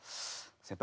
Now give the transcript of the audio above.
先輩